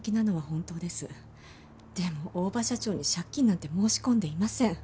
でも大庭社長に借金なんて申し込んでいません。